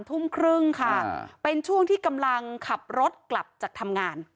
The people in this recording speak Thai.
ทุ่มครึ่งค่ะเป็นช่วงที่กำลังขับรถกลับจากทำงาน